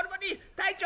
「隊長！